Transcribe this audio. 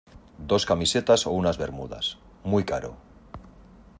dos camisetas o unas bermudas. muy caro .